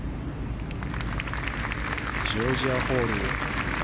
ジョージア・ホール。